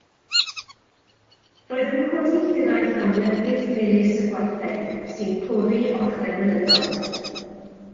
Roedd yn codi hiraeth am lefrith melys y gwartheg sy'n pori ochrau mynyddoedd.